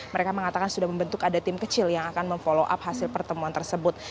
mereka mengatakan sudah membentuk ada tim kecil yang akan memfollow up hasil pertemuan tersebut